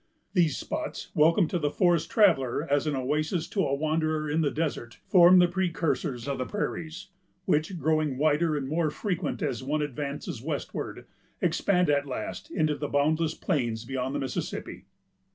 These spots, welcome to the forest traveller as an oasis to a wanderer in the desert, form the precursors of the prairies; which, growing wider and more frequent as one advances westward, expand at last into the boundless plains beyond the Mississippi.